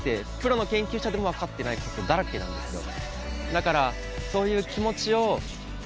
だから。